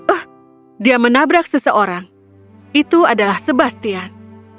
oh dia menabrak seseorang itu adalah sebastian